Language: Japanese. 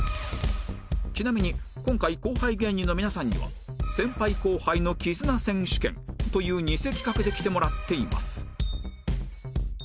ちなみに今回後輩芸人の皆さんには「先輩・後輩の絆選手権」という偽企画で来てもらっています